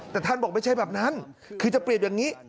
แต่ท่านบอกไม่ใช่แบบนั้นคือจะเปรียบอย่างนี้